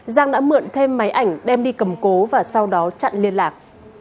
giang đã mượn thêm máy ảnh đem đi cầm cố và sau đó chặn liên lạc